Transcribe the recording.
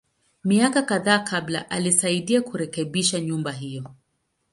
Miaka kadhaa kabla, alisaidia kurekebisha nyumba hiyo.